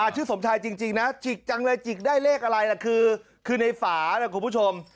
สมชายจริงนะจิกจังเลยจิกได้เลขอะไรล่ะคือในฝานะคุณผู้ชม